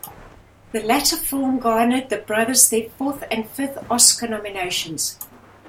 The latter film garnered the brothers their fourth and fifth Oscar nominations.